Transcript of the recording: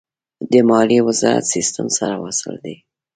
د مالیې وزارت سیستم سره وصل دی؟